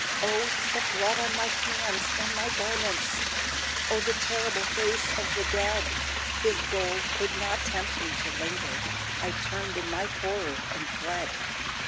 O, the blood on my hands and my garments! O, the terrible face of the dead! His gold could not tempt me to linger I turned in my horror, and fled!